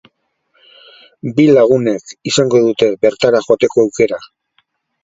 Bi lagunek izango dute bertara joateko aukera.